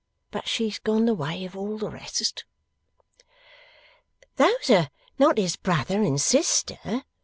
But she's gone the way of all the rest.' 'Those are not his brother and sister?